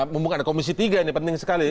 mumpung ada komisi tiga ini penting sekali